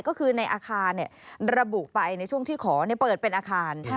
ก็คือในอาคารระบุไปในช่วงที่ขอเปิดเป็นอาคาร